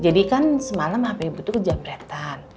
jadi kan semalam hape ibu tuh kejamretan